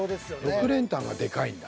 ６連単がでかいんだ。